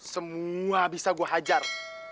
semua bisa gue hajar